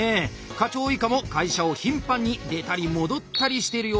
課長以下も会社を頻繁に出たり戻ったりしているようです。